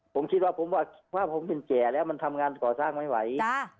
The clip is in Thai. ผมคิดว่าผมเป็นแจ่แล้วมันทำงานก่อสร้างไม่ไหว